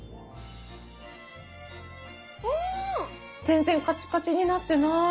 全然カチカチになってない！